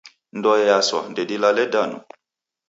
Ndoe yaswa ndedilale danu.